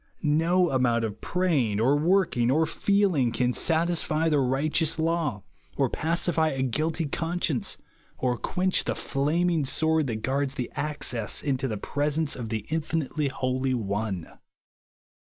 No amount of praying, or working, or feeling, can satisfy B u the righteous law, or pacify a guilty con science, or quench the flaming sword that guards the access into the presence of the infinitely Holy One.